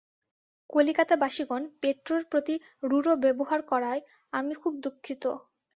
কলিকাতাবাসিগণ পেট্রোর প্রতি রূঢ় ব্যবহার করায় আমি খুব দুঃখিত।